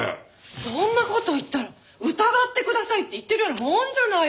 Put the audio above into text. そんな事を言ったら疑ってくださいって言ってるようなもんじゃないの！